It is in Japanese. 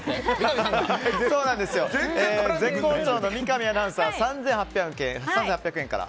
絶好調の三上アナウンサーは３８００円から。